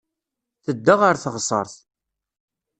Tedda ɣer teɣsert.